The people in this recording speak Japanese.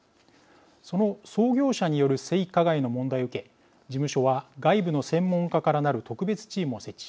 その創業者による性加害の問題を受け事務所は外部の専門家からなる特別チームを設置。